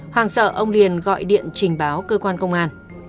hoàng sợ ông liền gọi điện trình báo cơ quan công an